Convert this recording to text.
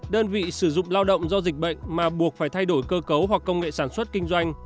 đơn vị sử dụng lao động do dịch bệnh mà buộc phải thay đổi cơ cấu hoặc công nghệ sản xuất kinh doanh